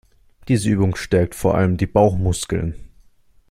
Diese Übung stärkt vor allem die Bauchmuskeln.